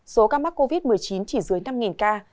số ca mắc covid một mươi chín chỉ dưới năm ca